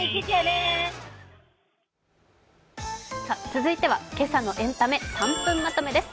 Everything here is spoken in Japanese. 続いては今朝のエンタメ３分まとめです。